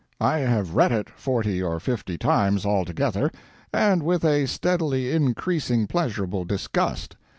I have read it forty or fifty times, altogether, and with a steadily increasing pleasurable disgust.